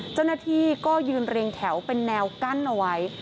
เจ้าหน้าที่ก็ยืนเรียงแถวเป็นแนวกั้นเอาไว้